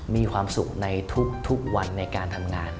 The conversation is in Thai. มีความสุขในทุกวันในการทำงาน